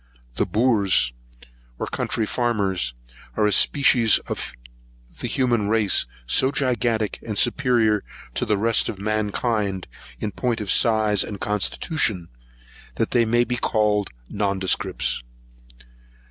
The boors, or country farmers, are a species of the human race, so gigantic and superior to the rest of mankind, in point of size and constitution, that they may be called nondescripts.